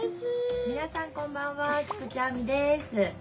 皆さんこんばんは菊地亜美です。